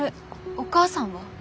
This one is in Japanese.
お母さんは？